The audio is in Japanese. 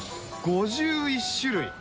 ５１種類？